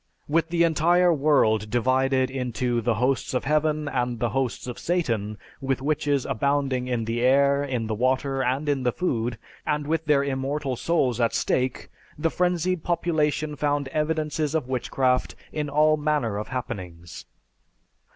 With the entire world divided into the "Hosts of Heaven" and the "Hosts of Satan," with witches abounding in the air, in the water, and in the food, and with their immortal souls at stake, the frenzied population found evidences of witchcraft in all manner of happenings.